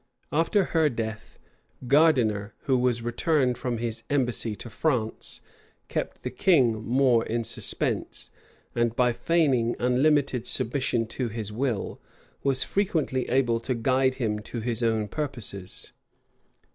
After her death, Gardiner, who was returned from his embassy to France, kept the king more in suspense; and by feigning an unlimited submission to his will, was frequently able to guide him to his own purposes.